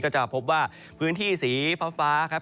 จะพบว่าพื้นที่สีฟ้าครับ